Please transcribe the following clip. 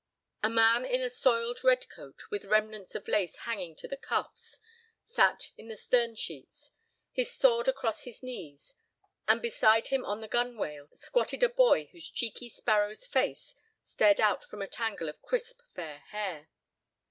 A man in a soiled red coat, with remnants of lace hanging to the cuffs, sat in the stern sheets, his sword across his knees, and beside him on the gunwale squatted a boy whose cheeky sparrow's face stared out from a tangle of crisp fair hair.